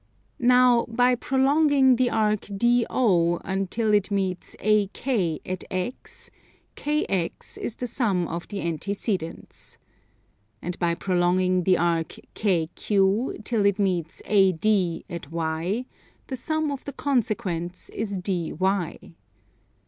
Now by prolonging the arc DO until it meets AK at X, KX is the sum of the antecedents. And by prolonging the arc KQ till it meets AD at Y, the sum of the consequents is DY.